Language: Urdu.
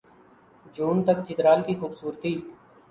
جون تک چترال کی خوبصورتی